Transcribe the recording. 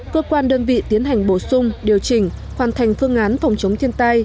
cơ quan đơn vị tiến hành bổ sung điều chỉnh hoàn thành phương án phòng chống thiên tai